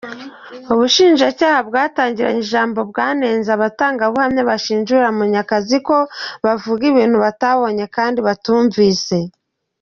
Ubushinjacyaha bwatangiranye ijambo bwanenze abatangabuhamya bashinjura Munyakazi ko bavuga ibintu batabonye kandi batumvise.